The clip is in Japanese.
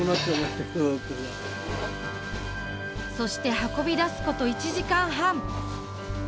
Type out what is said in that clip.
そして運び出すこと１時間半。